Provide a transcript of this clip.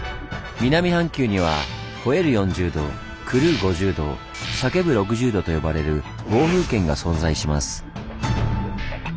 南半球には「吠える４０度」「狂う５０度」「叫ぶ６０度」と呼ばれる暴風圏が存在します。